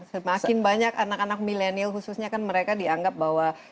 semakin banyak anak anak milenial khususnya kan mereka dianggap bahwa